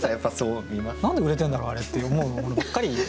何で売れてんだろうあれって思うものばっかり。